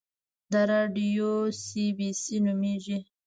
دا راډیو سي بي سي نومیږي